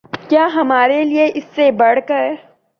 کیا ہمارے لیے اس سے بڑھ کر